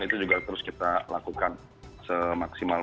itu juga terus kita lakukan semaksimal